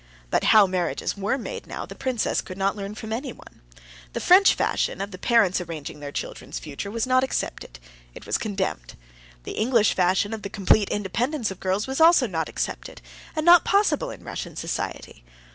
But how marriages were made now, the princess could not learn from anyone. The French fashion—of the parents arranging their children's future—was not accepted; it was condemned. The English fashion of the complete independence of girls was also not accepted, and not possible in Russian society.